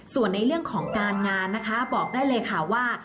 ส่วนในเรื่องของการงานนะคะบอกได้เลยค่ะว่า